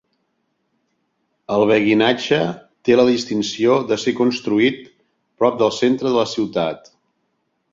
El Beguinatge té la distinció de ser construït prop del centre de la ciutat.